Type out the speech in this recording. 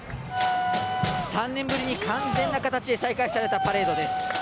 ３年ぶりに完全な形で再開されたパレードです。